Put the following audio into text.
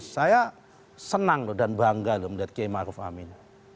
saya senang dan bangga melihat kiai maruf amin